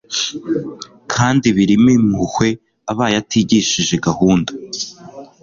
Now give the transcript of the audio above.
kandi birimo impuhwe abaye atigishije gahunda